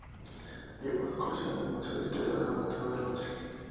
Legó sus colecciones al Museo de Historia Natural de Londres.